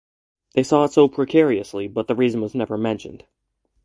They saw it so precariously, but the reason was never mentioned.